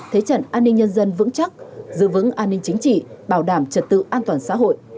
thế trận an ninh nhân dân vững chắc giữ vững an ninh chính trị bảo đảm trật tự an toàn xã hội